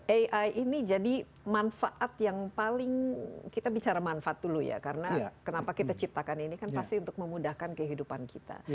ai ini jadi manfaat yang paling kita bicara manfaat dulu ya karena kenapa kita ciptakan ini kan pasti untuk memudahkan kehidupan kita